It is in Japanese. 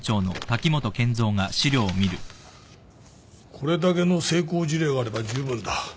これだけの成功事例があれば十分だ。